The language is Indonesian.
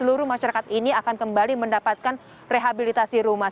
seluruh masyarakat ini akan kembali mendapatkan rehabilitasi rumah